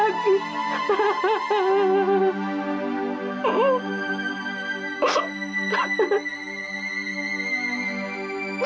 kau tidak bisa mencoba